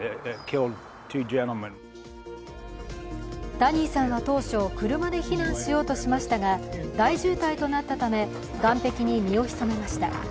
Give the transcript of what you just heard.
ダニーさんは当初、車で避難しようとしましたが、大渋滞となったため岸壁に身を潜めました。